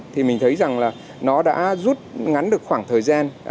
thì mình thấy rằng là nó đã rút ngắn được khoảng thời gian